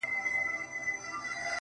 سیاه پوسي ده د مړو ورا ده.